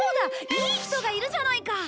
いい人がいるじゃないか！